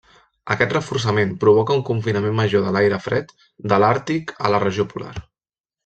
Aquest reforçament provoca un confinament major de l'aire fred de l'Àrtic a la regió polar.